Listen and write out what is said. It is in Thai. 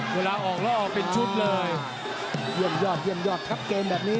เวลาออกแล้วออกเป็นชุดเลยเยี่ยมยอดเยี่ยมยอดครับเกมแบบนี้